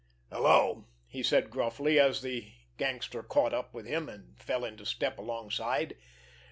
"Hello!" he said gruffly, as the gangster caught up with him and fell into step alongside.